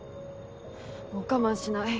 もう我慢しない。